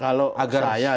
kalau saya misalnya